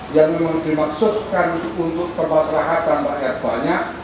yang dimaksudkan untuk permaslahatan rakyat banyak